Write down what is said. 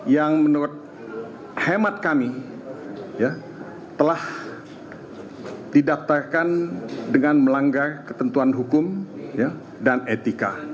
yang menurut hemat kami telah didaftarkan dengan melanggar ketentuan hukum dan etika